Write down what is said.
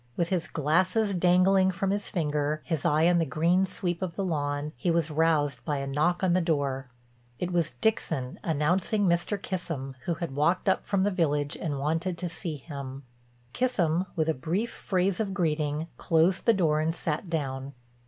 With his glasses dangling from his finger, his eyes on the green sweep of the lawn, he was roused by a knock on the door. It was Dixon announcing Mr. Kissam, who had walked up from the village and wanted to see him. Kissam, with a brief phrase of greeting, closed the door and sat down.